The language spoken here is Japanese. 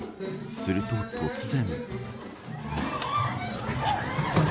すると突然。